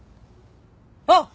あっ！